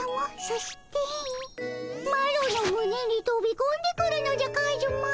そしてマロのむねにとびこんでくるのじゃカズマ。